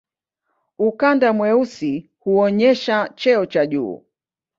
Ukanda mweusi huonyesha cheo cha juu.